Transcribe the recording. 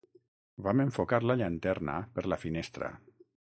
Vam enfocar la llanterna per la finestra